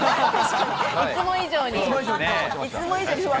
いつも以上に。